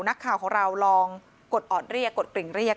นักข่าวของเราลองกดออดเรียกกดกริ่งเรียก